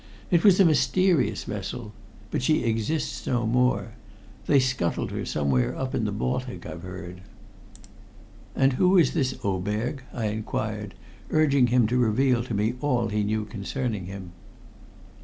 It was a mysterious vessel, but she exists no more. They scuttled her somewhere up in the Baltic, I've heard." "And who is this Oberg?" I inquired, urging him to reveal to me all he knew concerning him.